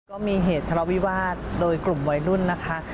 ก็มีเหตุทะเลาวิวาสโดยกลุ่มวัยรุ่นนะคะ